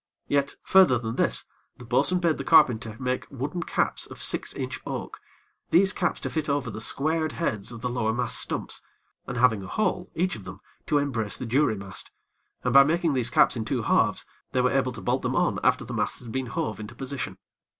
Yet, further than this, the bo'sun bade the carpenter make wooden caps of six inch oak, these caps to fit over the squared heads of the lower mast stumps, and having a hole, each of them, to embrace the jury mast, and by making these caps in two halves, they were able to bolt them on after the masts had been hove into position.